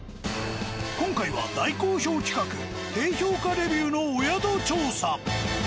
今回は大好評企画低評価レビューのお宿調査。